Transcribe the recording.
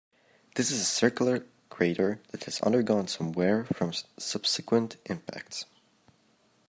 This is a circular crater that has undergone some wear from subsequent impacts.